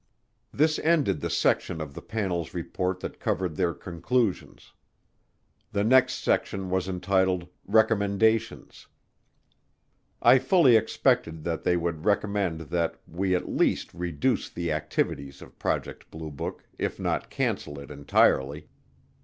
This ended the section of the panel's report that covered their conclusions. The next section was entitled, "Recommendations." I fully expected that they would recommend that we as least reduce the activities of Project Blue Book if not cancel it entirely.